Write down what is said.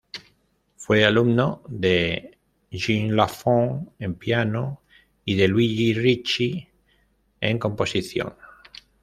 Fue alumno de Jean Lafont en piano y de Luigi Ricci en composición.